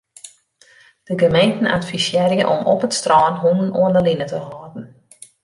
De gemeenten advisearje om op it strân hûnen oan 'e line te hâlden.